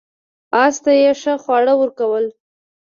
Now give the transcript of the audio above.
اس ته یې ښه خواړه ورکول.